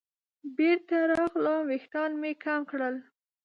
بېرته راغلم ویښتان مې کم کړل.